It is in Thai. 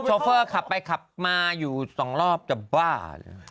โอ้โฮชอเฟอร์ขับไปขับมาอยู่สองรอบจะบ้า